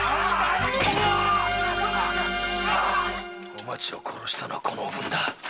おまちを殺したのはこのおぶんだ。